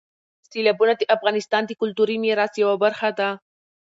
سیلابونه د افغانستان د کلتوري میراث یوه برخه ده.